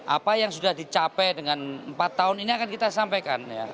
apa yang sudah dicapai dengan empat tahun ini akan kita sampaikan